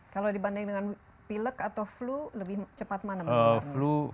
kalau dibandingkan pilek atau flu lebih cepat mana menularnya